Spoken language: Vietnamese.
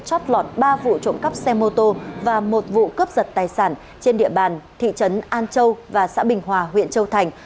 chót lọt ba vụ trộm cắp xe mô tô và một vụ cướp giật tài sản trên địa bàn thị trấn an châu và xã bình hòa huyện châu thành